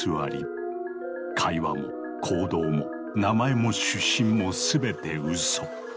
会話も行動も名前も出身も全て嘘。